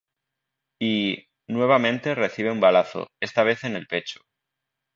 Y —nuevamente recibe un balazo, esta vez en el pecho.